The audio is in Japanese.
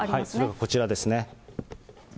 こちらですね。